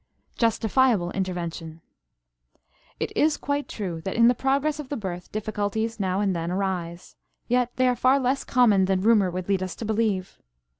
JUSTIFIABLE INTERVENTION. It is quite true that in the progress of the birth difficulties now and then arise; yet they are far less common than rumor would lead us to believe.